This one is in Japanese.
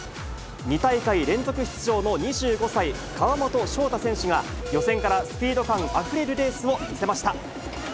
２大会連続出場の２５歳、川本翔大選手が予選からスピード感あふれるレースを見せました。